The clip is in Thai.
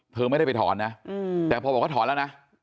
เธอไม่ได้ไปถอนนะแต่พอบอกว่าถอนแล้วนะ